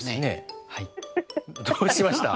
どうしました？